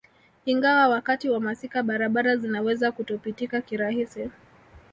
Ingawa wakati wa masika barabara zinaweza kutopitika kirahisi